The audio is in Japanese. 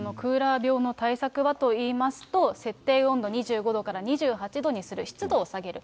そのクーラー病の対策はといいますと、設定温度２５度から２８度にする、湿度を下げる。